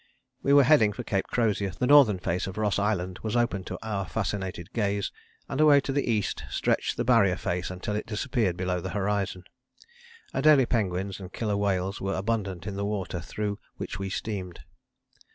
We were heading for Cape Crozier, the northern face of Ross Island was open to our fascinated gaze, and away to the east stretched the Barrier face until it disappeared below the horizon. Adélie penguins and Killer whales were abundant in the water through which we steamed.